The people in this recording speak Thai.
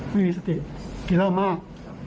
ไม่มีสติกินเริ่มมาก